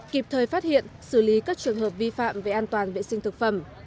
kịp thời phát hiện xử lý các trường hợp vi phạm về an toàn vệ sinh thực phẩm